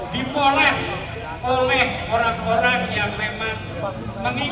dengan itu benar benar bagus